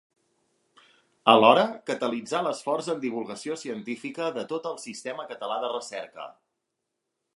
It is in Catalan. Alhora, catalitzar l'esforç en divulgació científica de tot el sistema català de recerca.